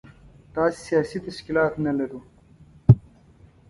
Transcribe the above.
داسې سياسي تشکيلات نه لرو.